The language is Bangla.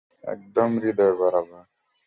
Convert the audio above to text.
একদম হৃদয় বরাবর!